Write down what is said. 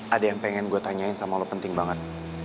ada yang pengen gue tanyain sama lo penting banget